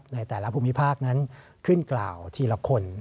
ในแต่ละภูมิภาคนั้นขึ้นกล่าวทีละคน